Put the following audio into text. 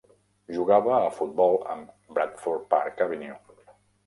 Jugava a futbol amb Bradford Park Avenue.